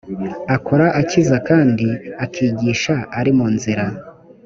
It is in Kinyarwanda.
akora akiza kandi akigisha ari mu nzira